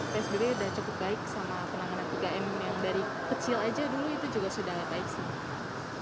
psbb sudah cukup baik sama penanganan tiga m yang dari kecil aja dulu itu juga sudah baik sih